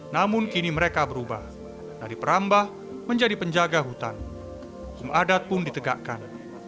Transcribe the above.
namun kini mereka berubah dari perambah menjadi penjaga hutan hukum adat pun ditegakkan